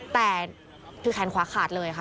แต่คือแขนขวาขาดเลยค่ะ